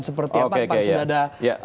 seperti apa pak sundara